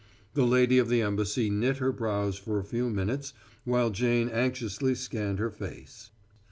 The lady of the embassy knit her brows for a few minutes while Jane anxiously scanned her face.